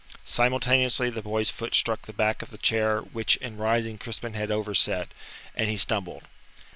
Simultaneously the boy's foot struck the back of the chair which in rising Crispin had overset, and he stumbled.